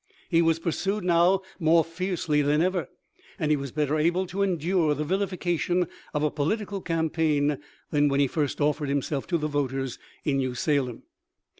He was pursued now more fiercely than ever, and he was better able to endure the vilification of a political campaign than when he first offered himself to the voters in New Salem.